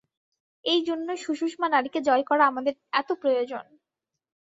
এই জন্যই সুষুম্না নাড়ীকে জয় করা আমাদের এত প্রয়োজন।